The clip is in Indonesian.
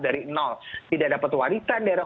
dari nol tidak dapat wanita dari